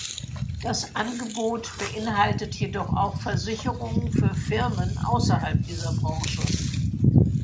Das Angebot beinhaltet jedoch auch Versicherungen für Firmen außerhalb dieser Branche.